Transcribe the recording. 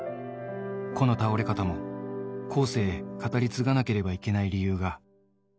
この倒れ方も後世へ語り継がなければいけない理由が。